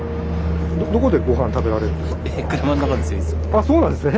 あっそうなんですね。